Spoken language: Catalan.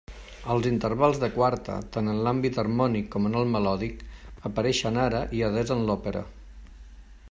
Els intervals de quarta —tant en l'àmbit harmònic com en el melòdic— apareixen ara i adés en l'òpera.